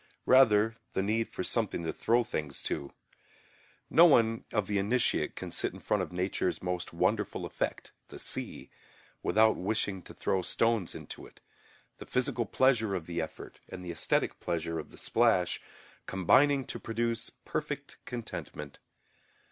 Rather the need for some thing to throw things to. No one of the initiate can sit in front of Nature's most wonderful effect, the sea, without wishing to throw stones into it, the physical pleasure of the effort and the aesthetic pleasure of the splash combining to produce perfect contentment.